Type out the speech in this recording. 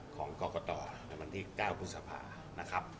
ของคกตในปันที่เก้าพฤษภา